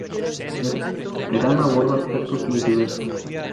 Terán abordó aspectos muy diversos.